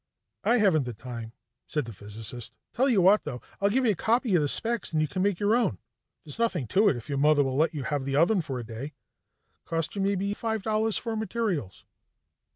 "I haven't the time," said the physicist. "Tell you what, though, I'll give you a copy of the specs and you can make your own. There's nothing to it, if your mother will let you have the oven for a day. Cost you maybe five dollars for materials."